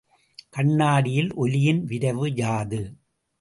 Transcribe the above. கண்ணாடியில் ஒலியின் விரைவு யாது?